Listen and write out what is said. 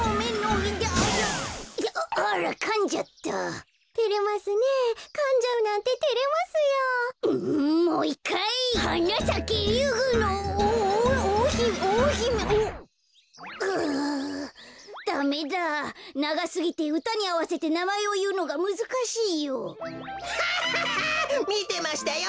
みてましたよ